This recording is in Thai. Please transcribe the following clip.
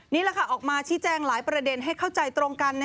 นี่แหละค่ะออกมาชี้แจงหลายประเด็นให้เข้าใจตรงกัน